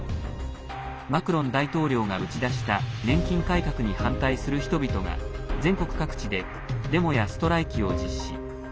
マクロン大統領が打ち出した年金改革に反対する人々が全国各地でデモやストライキを実施。